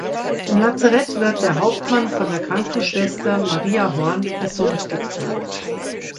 Im Lazarett wird der Hauptmann von der Krankenschwester Maria Horn gesund gepflegt.